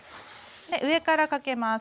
上からかけます。